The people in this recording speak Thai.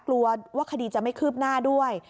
กลัวว่าคดีจะไม่คืบหน้าด้วย